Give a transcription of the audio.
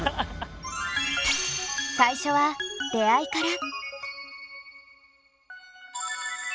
最初は出会いから。